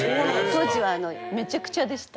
当時はめちゃくちゃでした。